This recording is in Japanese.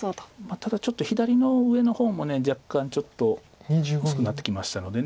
ただちょっと左の上の方も若干ちょっと薄くなってきましたので。